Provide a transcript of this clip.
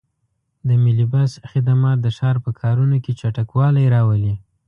د ملي بس خدمات د ښار په کارونو کې چټکوالی راولي.